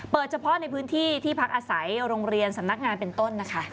เฉพาะในพื้นที่ที่พักอาศัยโรงเรียนสำนักงานเป็นต้นนะคะ